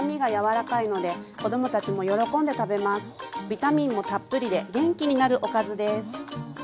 ビタミンもたっぷりで元気になるおかずです。